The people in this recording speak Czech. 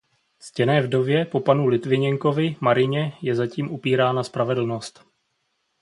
Ctěné vdově po panu Litviněnkovi Marině je zatím upírána spravedlnost.